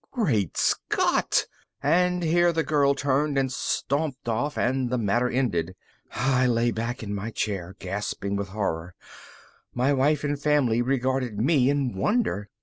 _ Great Scott! But here the girl turned and stomped off and the matter ended. I lay back in my chair gasping with horror. My wife and family regarded me in wonder.